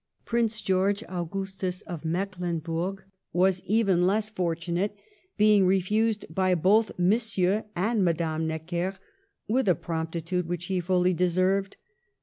Prince George Augustus of Mecklenburg was even less fortunate, being refused by both Mon sieur and Madame Necker, with a promptitude which he fully deserved.